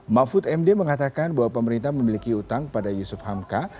mahfud md mengatakan bahwa pemerintah memiliki utang pada yusuf hamka